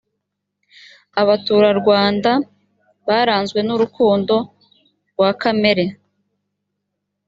abaturarwanda baranzwe nurukundo rwakamere